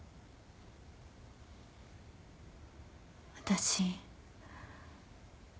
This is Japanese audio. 私。